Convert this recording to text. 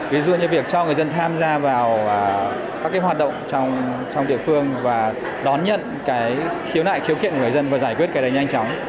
ví dụ như việc cho người dân tham gia vào các cái hoạt động trong địa phương và đón nhận cái khiếu nại khiếu kiện của người dân và giải quyết cái đấy nhanh chóng